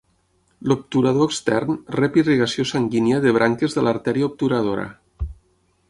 L'obturador extern rep irrigació sanguínia de branques de l'artèria obturadora.